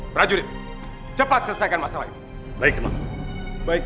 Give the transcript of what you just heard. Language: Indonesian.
prajurit cepat selesaikan masalah baik baik